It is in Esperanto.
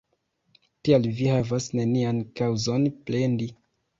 Tial vi havas nenian kaŭzon plendi.